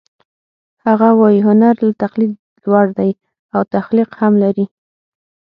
هغه وايي هنر له تقلید لوړ دی او تخلیق هم لري